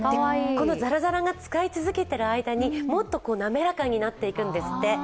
このザラザラが使い続けている間に、もっと滑らかになっていくんですって。